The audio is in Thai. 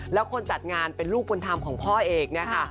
แล้วคนจัดงานเป็นลูกบุญธรรมของพ่อเอกเนี่ยค่ะ